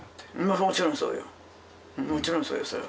もちろんそうよ。